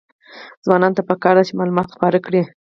ځوانانو ته پکار ده چې، معلومات خپاره کړي.